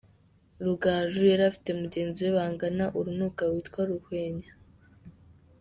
Rugaju yari afite mugenzi we bangana urunuka witwa Ruhwenya.